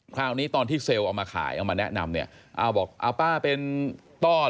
คราวนี้ตอนที่เซลล์เอามาขายเอามาแนะนำเนี่ยอ้าวบอกเอาป้าเป็นต้อเหรอ